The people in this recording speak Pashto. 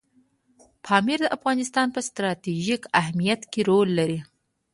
پامیر د افغانستان په ستراتیژیک اهمیت کې رول لري.